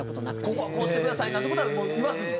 「ここはこうしてください」なんて事は言わずに。